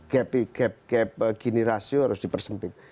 gap gap gini rasio harus dipersempit